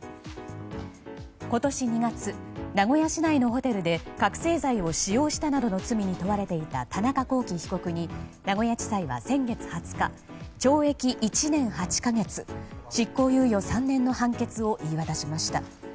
今年２月、名古屋市内のホテルで覚醒剤を使用したなどの罪に問われていた田中聖被告に名古屋地裁は先月２０日懲役１年８か月執行猶予３年の判決を言い渡しました。